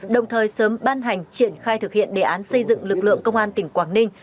đồng thời sớm ban hành triển khai thực hiện đề án xây dựng lực lượng công an tỉnh quảng ninh